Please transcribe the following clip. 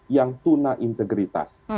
yang tuna integritas